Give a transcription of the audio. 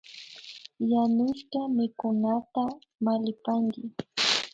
Yanushka mikunata mallipanki